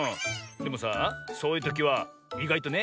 でもさあそういうときはいがいとね